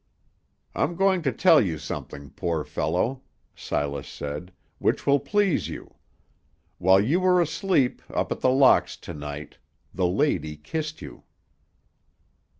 "I'm going to tell you something, poor fellow," Silas said, "which will please you. While you were asleep up at The Locks to night, the lady kissed you."